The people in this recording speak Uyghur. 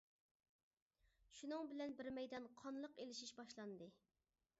شۇنىڭ بىلەن بىر مەيدان قانلىق ئېلىشىش باشلاندى.